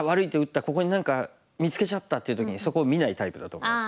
ここに何か見つけちゃった」っていう時にそこを見ないタイプだと思います。